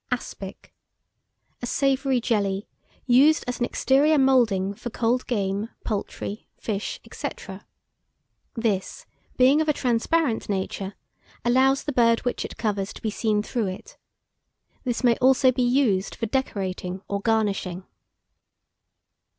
ASPIC. A savoury jelly, used as an exterior moulding for cold game, poultry, fish, &c. This, being of a transparent nature, allows the bird which it covers to be seen through it. This may also be used for decorating or garnishing.